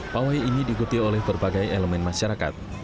pawai ini diikuti oleh berbagai elemen masyarakat